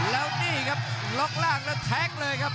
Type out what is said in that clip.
แล้วนี่ครับล็อกล่างแล้วแทงเลยครับ